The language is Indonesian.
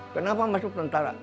kenapa masuk tentara